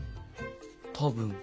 多分。